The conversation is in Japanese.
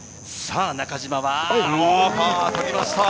中嶋はパーを取りました。